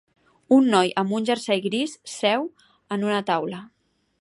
Un noi amb un jersei gris seu en una taula.